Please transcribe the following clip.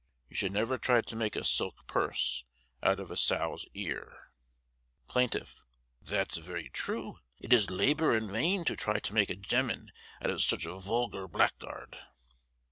You should never try to make a silk purse out of a sow's ear. Plaintiff: That's very true. It is labour in wain to try to make a gemman out of sich a wulgar blackguard.